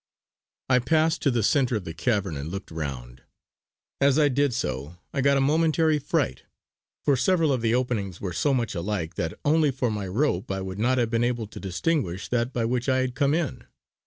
I passed to the centre of the cavern and looked round. As I did so, I got a momentary fright, for several of the openings were so much alike that only for my rope I would not have been able to distinguish that by which I had come in.